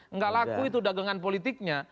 nggak laku itu dagangan politiknya